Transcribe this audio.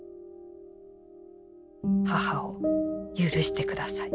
「母を許してください」。